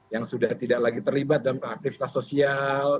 yang sudah tidak lagi terlibat dalam aktivitas sosial